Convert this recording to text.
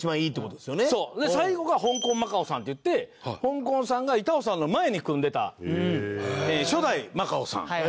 で最後がホンコン・マカオさんっていってほんこんさんが板尾さんの前に組んでた初代マカオさん。